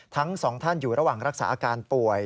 ทั้งสองท่านอยู่ระหว่างรักษาอาการป่วย